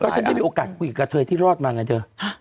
ก็ฉันได้มีโอกาสกระเทยที่รอดมาไงเจ้า